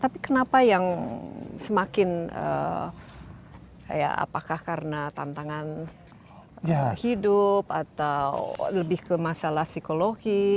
tapi kenapa yang semakin ya apakah karena tantangan hidup atau lebih ke masalah psikologi